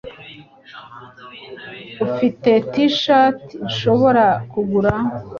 Ufite T-shirt nshobora kugura?